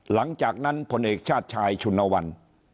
หลังจากนั้นพลเอกชาติชายชุนวัน